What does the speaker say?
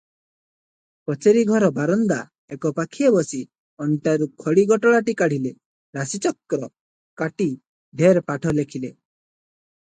କଚେରିଘର ବାରନ୍ଦା ଏକପାଖିଆ ବସି ଅଣ୍ଟାରୁ ଖଡ଼ି ଗୋଟାଳିଟି କାଢିଲେ, ରାଶିଚକ୍ର କାଟି ଢେର ପାଠ ଲେଖିଲେ ।